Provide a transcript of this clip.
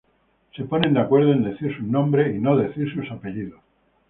Se ponen de acuerdo en decir sus nombres y no decir sus apellidos.